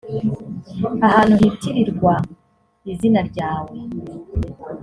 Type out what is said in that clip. ahantu hitirirwa izina ryawe